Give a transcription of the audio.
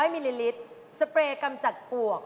มิลลิลิตรสเปรย์กำจัดปลวก